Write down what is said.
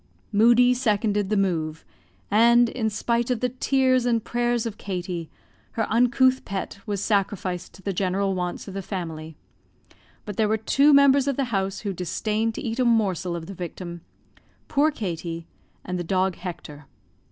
Moodie seconded the move; and, in spite of the tears and prayers of Katie, her uncouth pet was sacrificed to the general wants of the family; but there were two members of the house who disdained to eat a morsel of the victim; poor Katie and the dog Hector.